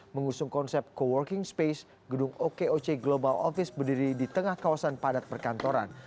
mengusung konsep co working space gedung okoc global office berdiri di tengah kawasan padat perkantoran